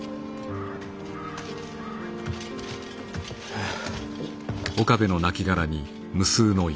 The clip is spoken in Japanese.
はあ。